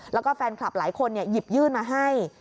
แล้วก็แฟนคลับหลายคนหยิบยื่นมาให้